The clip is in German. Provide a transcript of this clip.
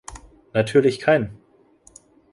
Natürlich keinen.